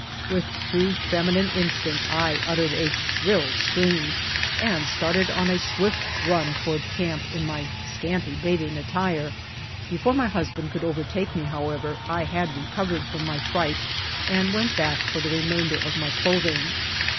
With true feminine instinct I uttered a shrill scream and started on a swift run toward camp in my scanty bathing attire. Before my husband could overtake me, however, I had recov ered from my fright and went back for the remainder of my clothing.